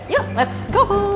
yuk let's go